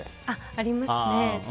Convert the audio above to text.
ありますね。